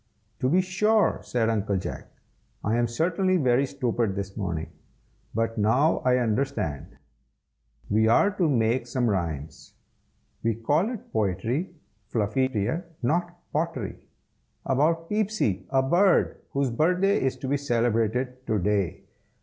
"To be sure!" said Uncle Jack. "I am certainly very stupid this morning, but now I understand. We are to make some rhymes, (we call it poetry, Fluffy dear, not pottery,) about Peepsy, a bird, whose birthday is to be celebrated to day.